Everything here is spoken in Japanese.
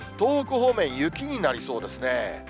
東北方面、雪になりそうですね。